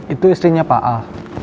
itu istrinya pak al